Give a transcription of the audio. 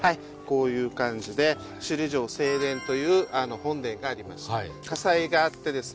こういう感じで首里城正殿という本殿がありまして火災があってですね